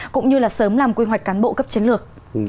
cũng như là sớm làm quy hoạch cán bộ cấp chiến lược